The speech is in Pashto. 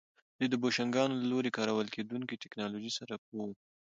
دوی د بوشنګانو له لوري کارول کېدونکې ټکنالوژۍ سره پوه وو